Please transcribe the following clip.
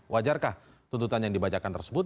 wajarkah tuntutan yang dibacakan tersebut